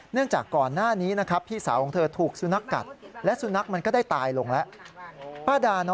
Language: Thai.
เนื่องจากก่อนหน้านี้พี่สาวของเธอถูกสุนักกัด